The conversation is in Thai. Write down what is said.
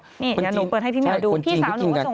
เดี๋ยวหนูเปิดให้พี่แมวดูพี่สาวหนูก็ส่ง